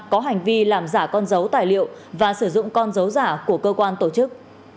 có hành vi làm giả con dấu tài liệu và sử dụng con dấu giả của cơ quan tổ chức